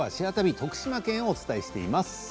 徳島県をお伝えしています。